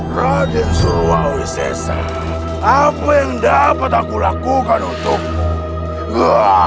raden surwawi sesa apa yang dapat aku lakukan untukmu